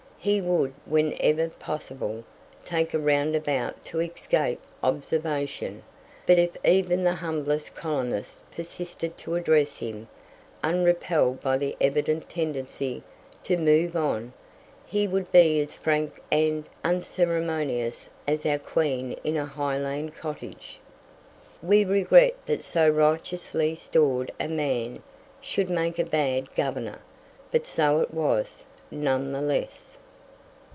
He would, whenever possible, take a roundabout to escape observation, but if even the humblest colonist persisted to address him, unrepelled by the evident tendency to "move on," he would be as frank and unceremonious as our Queen in a Highland cottage. We regret that so righteously stored a man should make a bad Governor; but so it was, none the less.